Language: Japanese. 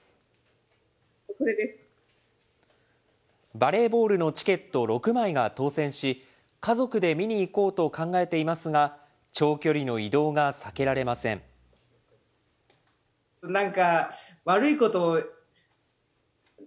バレーボールのチケット６枚が当せんし、家族で見に行こうと考えていますが、長距離の移動が避けられません。